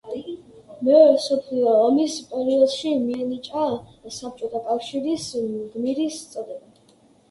მეორე მსოფლიო ომის პერიოდში მიენიჭა საბჭოთა კავშირის გმირის წოდება.